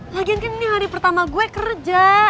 lagian kan ini hari pertama gue kerja